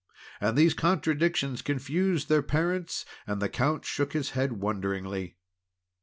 And these contradictions confused their parents; and the Count shook his head wonderingly.